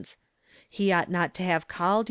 e oug,,t „„t t„ have called .